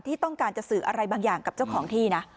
ที่ต้องการจะสื่ออะไรบางอย่างกับเจ้าของที่นะ